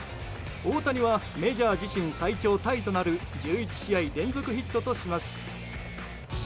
大谷はメジャー自身最長タイとなる１１試合連続ヒットとします。